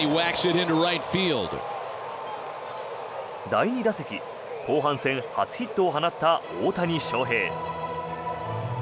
第２打席、後半戦初ヒットを放った大谷翔平。